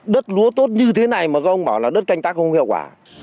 đất lúa tốt như thế này mà các ông bảo là đất canh tác không hiệu quả